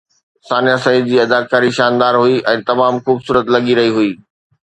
ثانيه سعيد جي اداڪاري شاندار هئي ۽ تمام خوبصورت لڳي رهي هئي